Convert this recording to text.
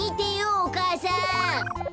お母さん。